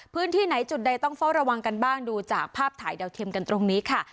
พื้นที่ไหนจุดใดต้องเฝ้าระวังกันบ้างดูจากภาพถ่ายดาวเทียมกันตรงนี้ค่ะ